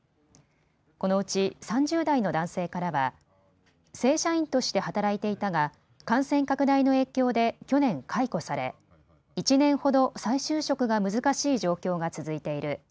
このうち３０代の男性からは正社員として働いていたが感染拡大の影響で去年解雇され１年ほど再就職が難しい状況が続いている。